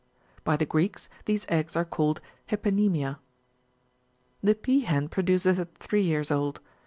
By the Greeks, these eggs are called " hypenemia.^*^ (59.) The pea hen produces at three years old.